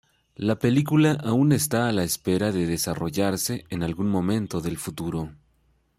La película aún está a la espera de desarrollarse en algún momento del futuro.